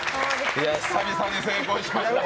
久々に成功しました。